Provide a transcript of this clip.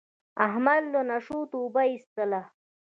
احمد له نشو توبه ایستله.